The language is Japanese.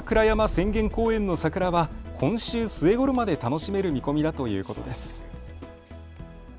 浅間公園の桜は今週末ごろまで楽しめる見込みだということです。